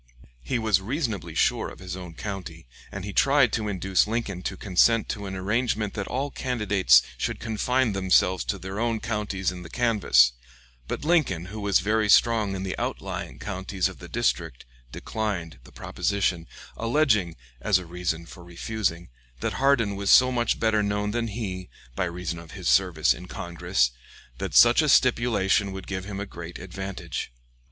He was reasonably sure of his own county, and he tried to induce Lincoln to consent to an arrangement that all candidates should confine themselves to their own counties in the canvass; but Lincoln, who was very strong in the outlying counties of the district, declined the proposition, alleging, as a reason for refusing, that Hardin was so much better known than he, by reason of his service in Congress, that such a stipulation would give him a great advantage.